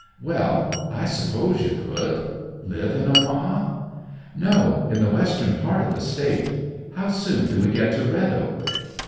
"Well, I suppose you could. Live in Omaha?" "No. In the western part of the State. How soon do we get to Red Oak?"